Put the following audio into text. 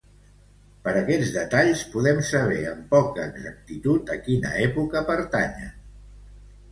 Per aquests detalls podem saber amb poca exactitud a quina època pertanyen.